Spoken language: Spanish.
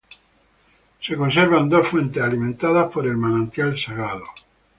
Se conservan dos fuentes alimentadas por el manantial sagrado.